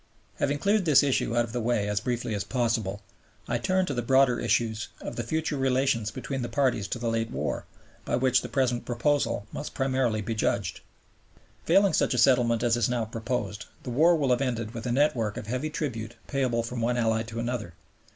Having cleared this issue out of the way as briefly as possible, I turn to the broader issues of the future relations between the parties to the late war, by which the present proposal must primarily be judged. Failing such a settlement as is now proposed, the war will have ended with a network of heavy tribute payable from one Ally to another.